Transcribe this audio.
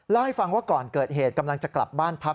เล่าให้ฟังว่าก่อนเกิดเหตุกำลังจะกลับบ้านพัก